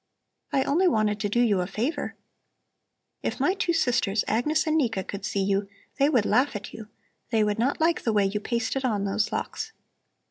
"I only wanted to do you a favor. If my two sisters, Agnes and Nika, could see you, they would laugh at you; they would not like the way you pasted on those locks."